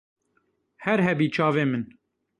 Her hebî çavê min.